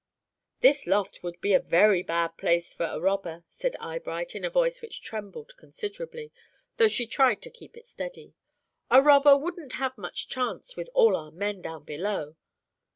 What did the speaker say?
"This loft would be a very bad place for a robber," said Eyebright, in a voice which trembled considerably, though she tried to keep it steady. "A robber wouldn't have much chance with all our men down below.